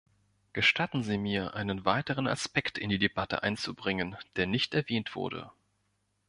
Gestatten Sie mir, einen weiteren Aspekt in die Debatte einzubringen, der nicht erwähnt wurde.